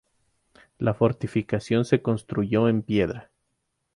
La fortificación se construyó en piedra.